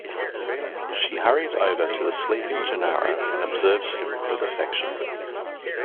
She hurries over to the sleeping Gennaro and observes him with affection.